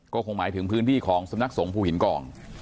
ก็คงหมายถึงพื้นที่ของสำนักสงภูหินกอง